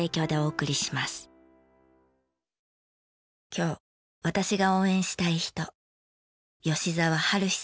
今日私が応援したい人。